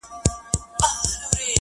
دهغې دنیا جنګ ته مې خالي لاس مه لیږه